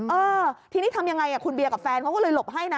เออทีนี้ทำยังไงคุณเบียร์กับแฟนเขาก็เลยหลบให้นะ